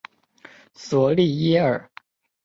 索利耶尔。